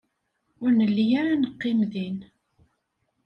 Ur nelli ara neqqim din.